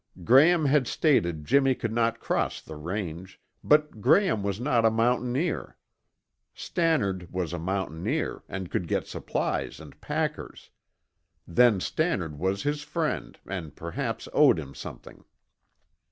Graham had stated Jimmy could not cross the range, but Graham was not a mountaineer. Stannard was a mountaineer and could get supplies and packers. Then Stannard was his friend and perhaps owed him something.